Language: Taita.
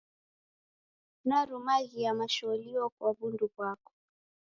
Narumaghia masholio kwa w'undu ghwako.